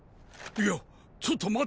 いやちょっと待て！